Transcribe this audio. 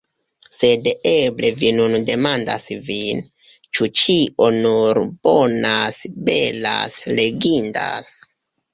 Sed eble vi nun demandas vin, ĉu ĉio nur bonas, belas, legindas.